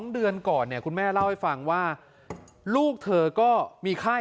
๒เดือนก่อนคุณแม่เล่าให้ฟังว่าลูกเธอก็มีไข้